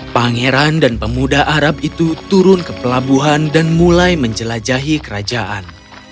pangeran dan pemuda arab itu turun ke pelabuhan dan mulai menjelajahi kerajaan